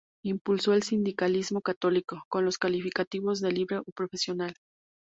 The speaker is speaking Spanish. Impulsó el sindicalismo católico, con los calificativos de Libre o Profesional.